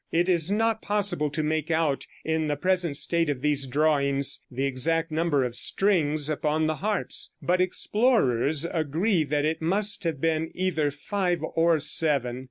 It is not possible to make out in the present state of these drawings the exact number of strings upon the harps, but explorers agree that it must have been either five or seven.